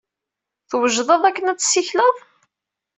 Twejdeḍ akken ad tessikleḍ?